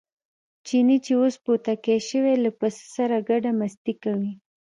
چیني چې اوس بوتکی شوی له پسه سره ګډه مستي کوي.